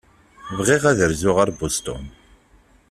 Bɣiɣ ad rzuɣ ɣer Boston.